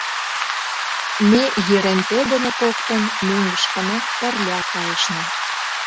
Ме Еренте дене коктын мӧҥгышкына пырля кайышна.